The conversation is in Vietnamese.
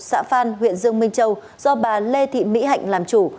xã phan huyện dương minh châu do bà lê thị mỹ hạnh làm chủ